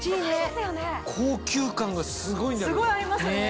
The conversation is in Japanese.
高級感がすごいんだけど。